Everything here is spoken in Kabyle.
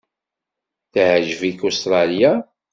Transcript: Teɛjeb-ik Ustṛalya?